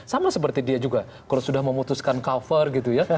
sama seperti dia juga kalau sudah memutuskan cover gitu ya